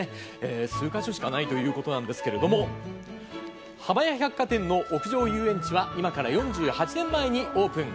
数カ所しかないということなんですけれども、浜屋百貨店の屋上遊園地は今から４８年前にオープン。